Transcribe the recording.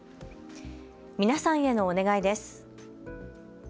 皆さんへのお願いです。